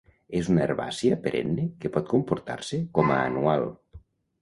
És una herbàcia perenne que pot comportar-se com a anual.